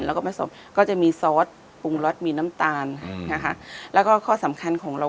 แล้วก็ผสมก็จะมีซอสปรุงรสมีน้ำตาลนะคะแล้วก็ข้อสำคัญของเรา